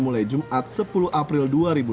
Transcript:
mulai jumat sepuluh april dua ribu dua puluh